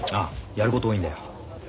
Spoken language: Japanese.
やること多いんだよ。